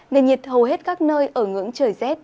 nền nhiệt hầu hết các nơi ở ngưỡng trời rét